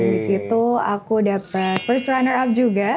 di situ aku dapat first runner up juga